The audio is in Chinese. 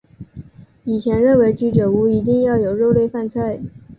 以前认为居酒屋一定要有肉类饭菜。